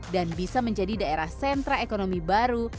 dan bisa menjadi daerah sentra ekonomi baru